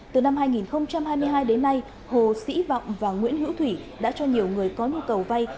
từ năm hai nghìn hai mươi hai đến nay hồ sĩ vọng và nguyễn hữu thủy đã cho nhiều người có nhu cầu vay